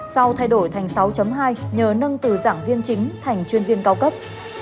sau thay đổi thành sáu hai nhờ nâng từ giảng viên chính thành chuyên viên cao cấp